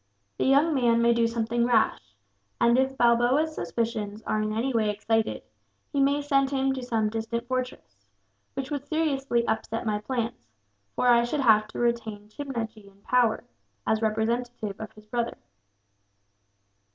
The young man may do something rash and, if Balloba's suspicions are in any way excited, he may send him to some distant fortress; which would seriously upset my plans, for I should have to retain Chimnajee in power, as representative of his brother.